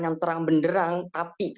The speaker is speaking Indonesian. yang terang beneran tapi